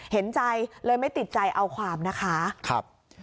เห็นใจเลยไม่ติดใจเอาความนะคะครับ